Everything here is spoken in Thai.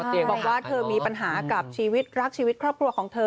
บอกว่าเธอมีปัญหากับชีวิตรักชีวิตครอบครัวของเธอ